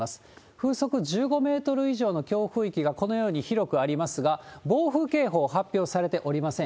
風速１５メートル以上の強風域が、このように広くありますが、暴風警報発表されておりません。